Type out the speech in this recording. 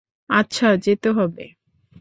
আচ্ছা, যেতে হবে।